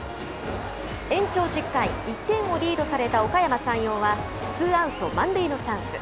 延長１０回、１点をリードされたおかやま山陽はツーアウト満塁のチャンス。